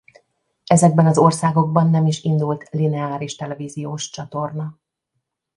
Ezekben az országokban nem is indult lineáris televíziós csatorna.